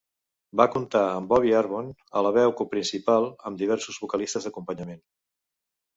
Va comptar amb Bobby Arvon a la veu principal, amb diversos vocalistes d'acompanyament.